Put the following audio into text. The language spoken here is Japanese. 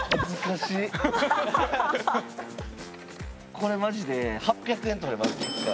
これマジで８００円取れます１回。